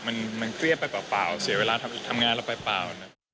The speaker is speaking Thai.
มันเกลี้ยไปเปล่าเสียเวลาทำงานเราไปเปล่า